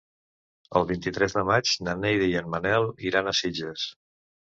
El vint-i-tres de maig na Neida i en Manel iran a Sitges.